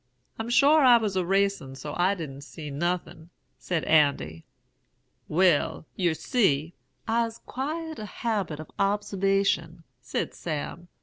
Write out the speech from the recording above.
"'I'm sure I was racin' so I didn't see nothin,' said Andy. "'Wal, yer see, I'se 'quired a habit o' bobservation,' said Sam.